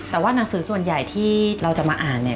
แต่ว่าหนังสือส่วนใหญ่ที่เราจะมาอ่านเนี่ย